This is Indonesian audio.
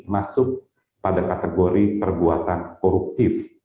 masuk pada kategori perbuatan koruptif